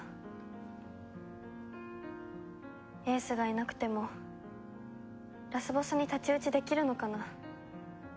英寿がいなくてもラスボスに太刀打ちできるのかな。